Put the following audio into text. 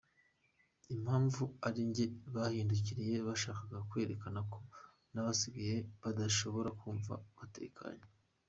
Impamvu ari njye bahindukiriye byashakaga kwerekana ko n’abasigaye badashobora kumva batekanye.”